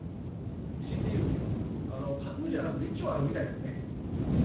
ＣＴＵね、架空じゃなくて、一応あるみたいですね。